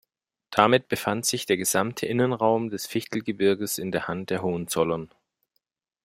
Damit befand sich der gesamte Innenraum des Fichtelgebirges in der Hand der Hohenzollern.